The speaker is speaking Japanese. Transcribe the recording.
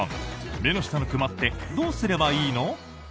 目の下のクマってどうすればいいの？